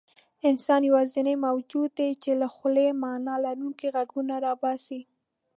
انسان یواځینی موجود دی، چې له خولې معنیلرونکي غږونه راباسي.